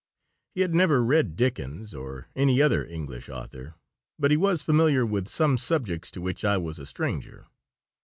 He had never read Dickens or any other English author, but he was familiar with some subjects to which I was a stranger.